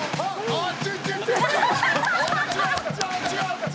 あっちっち！？